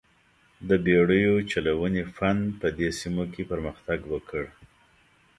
د بېړیو چلونې فن په دې سیمو کې پرمختګ وکړ.